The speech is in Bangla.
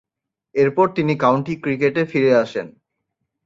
এরপর তিনি কাউন্টি ক্রিকেটে ফিরে আসেন।